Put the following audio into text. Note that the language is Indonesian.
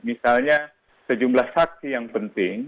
misalnya sejumlah saksi yang penting